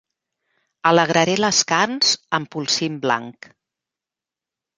Alegraré les carns amb polsim blanc.